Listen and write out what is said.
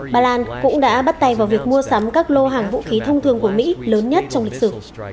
bà lan cũng đã bắt tay vào việc mua sắm các lô hàng vũ khí thông thường của mỹ lớn nhất trong lịch sử